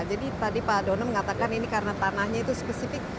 jadi tadi pak dona mengatakan ini karena tanahnya itu spesifik